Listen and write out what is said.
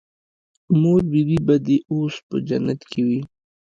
مور بي بي به دې اوس په جنت کښې وي.